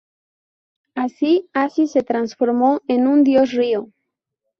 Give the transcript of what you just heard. Así Acis se transformó en un dios río.